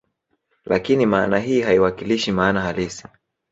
Lakini maana hii haiwakilishi maana halisi